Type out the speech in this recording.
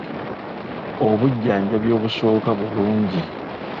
Obujjanjabi obusooka bulungi.